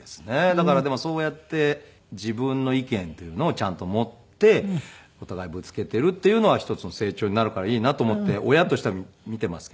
だからでもそうやって自分の意見というのをちゃんと持ってお互いぶつけているっていうのは一つの成長になるからいいなと思って親としては見てますけど。